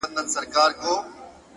اخلاق د انسان د نوم رنګ دی